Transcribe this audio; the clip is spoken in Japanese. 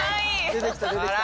出てきた出てきた。